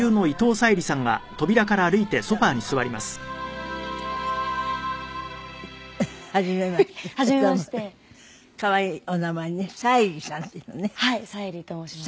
沙莉と申します。